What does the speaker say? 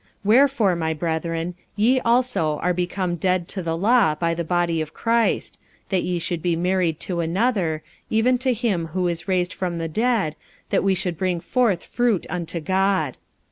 45:007:004 Wherefore, my brethren, ye also are become dead to the law by the body of Christ; that ye should be married to another, even to him who is raised from the dead, that we should bring forth fruit unto God.